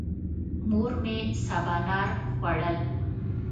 مور مې سبانار خوړل.